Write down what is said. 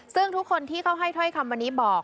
ซึ่งทุกคนที่เขาให้ถ้อยคำวันนี้บอก